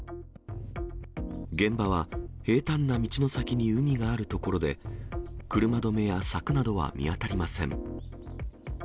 現場は平たんな道の先に海がある所で、車止めや柵などは見当たりません。